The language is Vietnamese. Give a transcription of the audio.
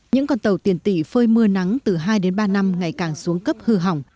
những con tàu tiền tỷ phơi mưa nắng từ hai đến ba năm ngày càng xuống cấp hư hỏng